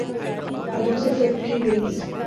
اور دوسری فلم کی ریلیز